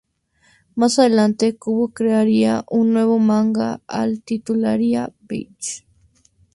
Más adelante, Kubo crearía un nuevo manga, al que titularía "Bleach".